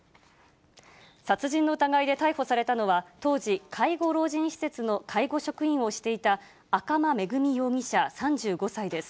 殺人の疑いで逮捕されたのは、当時、介護老人施設の介護職員をしていた赤間恵美容疑者３５歳です。